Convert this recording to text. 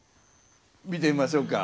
見てみましょうか。